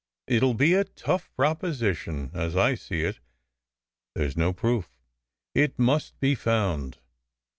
"It ll be a tough proposition. As I see it, there s no proof." "It must be found."